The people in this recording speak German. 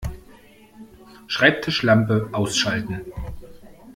Schreibtischlampe ausschalten